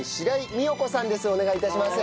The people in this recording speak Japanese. お願い致します。